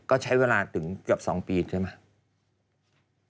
ก็ใช้เวลาถึงเกือบ๒ปีใช่ไหม